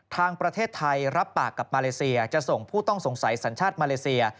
ทางประเทศไทยรับปากกับมาเลเซียจะส่งผู้ต้องสงสัยสัญชาติมาเลเซีย